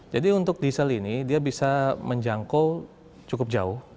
untuk diesel ini dia bisa menjangkau cukup jauh